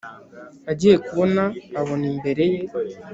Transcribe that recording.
agiye kubona abona imbere ye